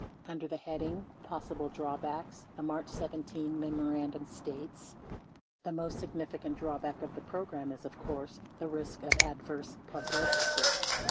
Under the heading, "Possible Drawbacks," the March 17 memorand u m states : The most significant drawback of the program is, of course, the risk of adverse publicity.